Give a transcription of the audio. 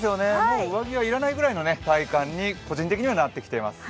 もう上着は要らないような体感に個人的にはなってきています。